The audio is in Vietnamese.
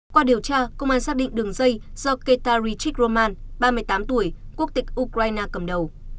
qua điều tra công an xác định đường dây do ketarichik roman ba mươi tám tuổi quốc tịch ukraine cầm đầu